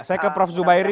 saya ke prof zuhairi